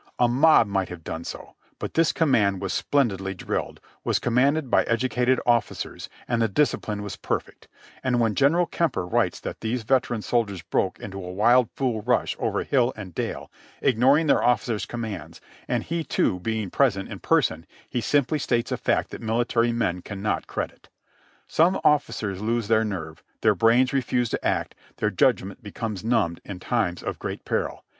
A mob might have done so — but this command was splendidly drilled, was commanded by educated officers, and the discipline was perfect, and when General Kemper writes that these veteran soldiers broke into a wild fool rush over hill and dale, ignoring their officers' commands, and he too being present in person, he simply states a fact that military men cannot credit. Some officers lose their nerve, their brains refuse to act, their judgment becomes numbed in times of great peril.